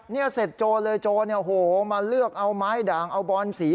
นี่เสร็จโจรเลยโจรมาเลือกเอาไม้ด่างเอาบอนสี